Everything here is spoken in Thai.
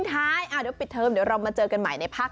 เค้าปิดเทอมใช่ไหม